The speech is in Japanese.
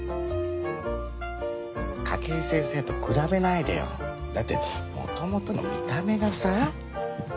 筧先生と比べないでよだってもともとの見た目がさ。